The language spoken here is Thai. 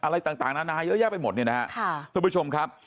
อะไรต่างนานางอยู่แยะไปหมดนี่นะคะค่ะทุกผู้ชมครับ